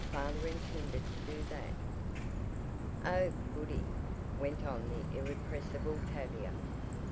Father intended to do that." "Oh, goody!" went on the irrepressible Tavia.